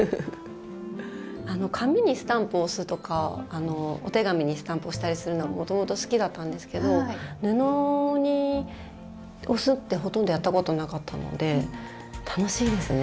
紙にスタンプを押すとかお手紙にスタンプを押したりするのがもともと好きだったんですけど布に押すってほとんどやったことなかったので楽しいですね。